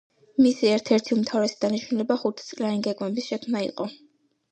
მისი ერთ-ერთი უმთავრესი დანიშნულება ხუთწლიანი გეგმების შექმნა იყო.